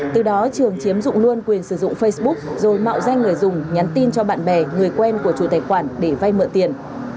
từ đó trường chiếm dụng luôn quyền sử dụng facebook rồi mạo danh người dùng nhắn tin cho bạn bè người quen của chủ tài khoản để vay mượn tiền